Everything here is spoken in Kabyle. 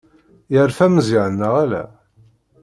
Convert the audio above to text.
Yerfa Meẓyan, neɣ ala?